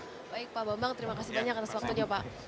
baik pak bambang terima kasih banyak atas waktunya pak